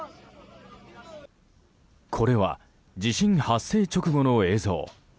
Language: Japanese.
これは地震発生直後の映像。